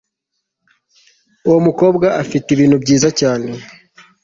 Uwo mukobwa afite ibintu byiza cyane